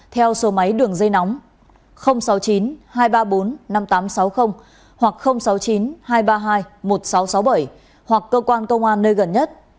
theo số máy đường dây nóng sáu mươi chín hai trăm ba mươi bốn năm nghìn tám trăm sáu mươi hoặc sáu mươi chín hai trăm ba mươi hai một nghìn sáu trăm sáu mươi bảy hoặc cơ quan công an nơi gần nhất